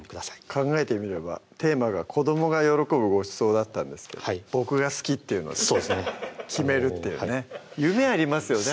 考えてみればテーマが「子どもが喜ぶごちそう」だったんですけど僕が好きっていうので決めるっていうね夢ありますよね